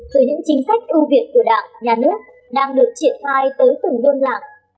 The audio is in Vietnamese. từ những chính sách ưu việt của đảng nhà nước đang được triển hoai tới từng đôn làng